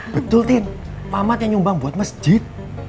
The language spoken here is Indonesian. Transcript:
betul tin pamat yang nyumbang buat masjid